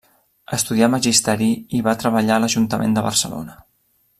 Estudià magisteri i va treballar a l'ajuntament de Barcelona.